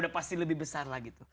udah pasti lebih besar lah gitu